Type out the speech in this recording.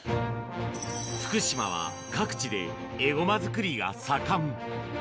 福島は各地でエゴマ作りが盛ん。